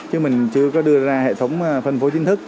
chứ mình chưa có đưa ra hệ thống phân phối chính thức